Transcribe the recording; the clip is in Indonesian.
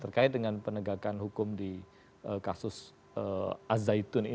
terkait dengan penegakan hukum di kasus al zaitun ini